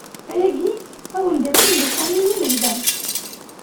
Ayagi ad wen-d-iqqim d lqanun i lebda.